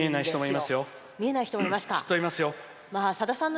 見えない人もいますよ。